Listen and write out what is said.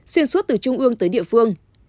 xuyên suốt từ trung ương tới địa phương